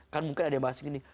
kan mungkin ada yang bahas gini